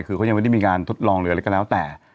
คือเขายังไม่ได้มีการทดลองหรืออะไรก็แล้วแต่